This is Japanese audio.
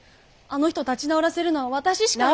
あの人立ち直らせるのは私しか。